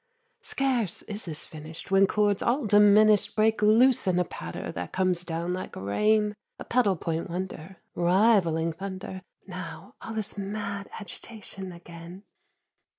Scarce is this finished When chords all diminished Break loose in a patter that comes down like rain, A pedal point wonder Rivaling thunder. Now all is mad agitation again.